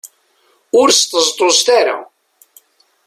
Ur sṭeẓṭuẓet ara.